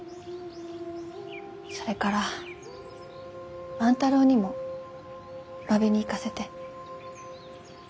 それから万太郎にもわびに行かせて。